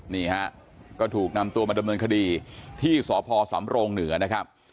นี่ฮะก็ถูกนำตัวมาดำเนินคดีที่สพสำโรงเหนือนะครับ